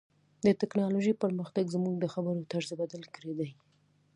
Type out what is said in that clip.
د ټکنالوژۍ پرمختګ زموږ د خبرو طرز بدل کړی دی.